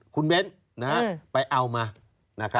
คุณเบ้นไปเอามานะครับ